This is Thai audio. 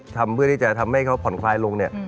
ทำเพื่อที่จะทำให้เขาผ่อนคลายลงเนี่ย